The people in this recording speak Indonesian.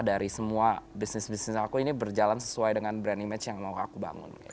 dari semua bisnis bisnis aku ini berjalan sesuai dengan brand image yang mau aku bangun